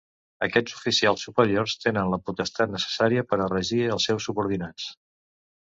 Aquests oficials superiors tenen la potestat necessària per a regir els seus subordinats.